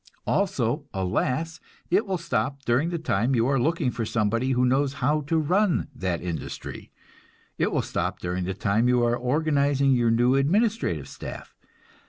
Also, alas, it will stop during the time you are looking for somebody who knows how to run that industry; it will stop during the time you are organizing your new administrative staff.